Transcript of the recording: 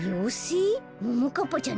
ももかっぱちゃん